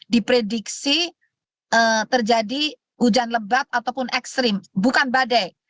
diprediksi terjadi hujan lebat ataupun ekstrim bukan badai